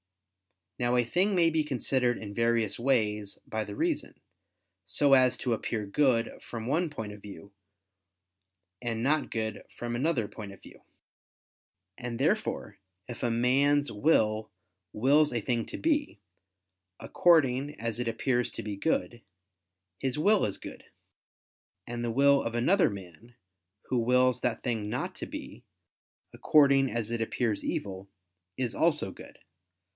Now a thing may be considered in various ways by the reason, so as to appear good from one point of view, and not good from another point of view. And therefore if a man's will wills a thing to be, according as it appears to be good, his will is good: and the will of another man, who wills that thing not to be, according as it appears evil, is also good.